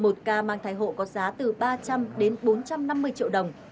một ca mang thai hộ có giá từ ba trăm linh đến bốn trăm năm mươi triệu đồng